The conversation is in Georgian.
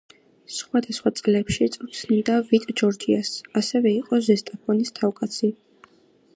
სხვადასხვა წლებში წვრთნიდა „ვიტ ჯორჯიას“, ასევე იყო „ზესტაფონის“ თავკაცი.